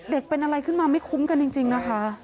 เป็นอะไรขึ้นมาไม่คุ้มกันจริงนะคะ